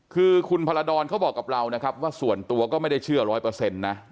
คือคุณพรดรเขาบอกกับเรานะครับว่าส่วนตัวก็ไม่ได้เชื่อร้อยเปอร์เซ็นต์นะ